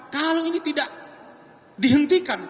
kalau ini tidak dihentikan